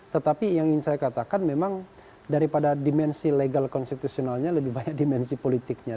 tetapi yang ingin saya katakan memang daripada dimensi legal konstitusionalnya lebih banyak dimensi politiknya